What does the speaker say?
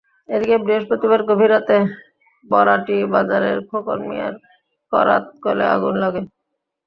এদিকে বৃহস্পতিবার গভীর রাতে বরাটি বাজারের খোকন মিয়ার করাতকলে আগুন লাগে।